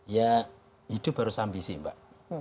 ya hidup baru sambisi mbak